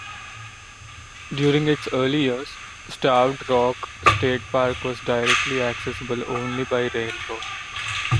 During its early years, Starved Rock State Park was directly accessible only by railroad.